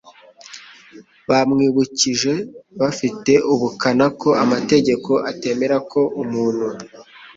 Bamwibukije bafite ubukana ko amategeko atemera ko umuntu